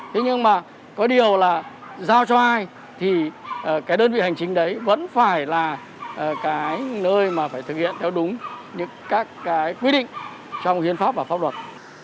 thế nhưng mà có điều là giao cho ai thì cái đơn vị hành chính đấy vẫn phải là cái nơi mà phải thực hiện theo đúng các cái quy định trong hiến pháp và pháp luật